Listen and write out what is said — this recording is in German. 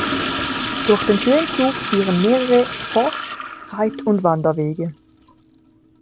Durch den Höhenzug führen mehrere Forst-, Reit- und Wanderwege.